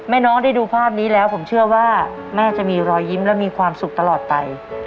น้องได้ดูภาพนี้แล้วผมเชื่อว่าแม่จะมีรอยยิ้มและมีความสุขตลอดไป